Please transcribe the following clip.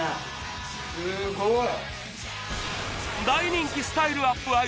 大人気スタイルアップ